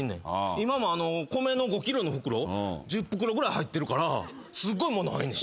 今も米の５ｋｇの袋１０袋ぐらい入ってるからすごい物入んねん下。